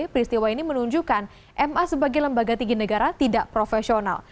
peristiwa ini menunjukkan ma sebagai lembaga tinggi negara tidak profesional